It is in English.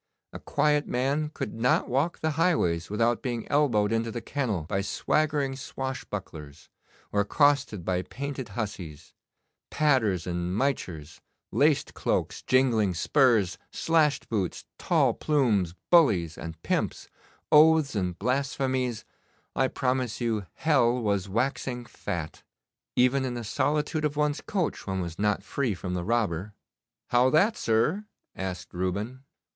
A quiet man could not walk the highways without being elbowed into the kennel by swaggering swashbucklers, or accosted by painted hussies. Padders and michers, laced cloaks, jingling spurs, slashed boots, tall plumes, bullies and pimps, oaths and blasphemies I promise you hell was waxing fat. Even in the solitude of one's coach one was not free from the robber.' 'How that, sir?' asked Reuben.